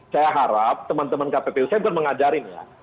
saya harap teman teman kppu saya bukan mengajarin ya